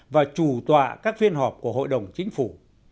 và chủ tọa các phiên họp của hội đồng chính phủ